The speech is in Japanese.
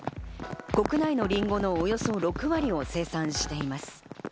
国内のりんごのおよそ６割を生産しています。